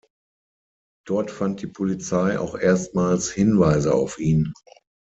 Dort fand die Polizei auch erstmals Hinweise auf ihn.